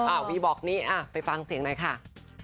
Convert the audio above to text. อ้าววีบอกนี้ไปฟังเสียงในค่ะ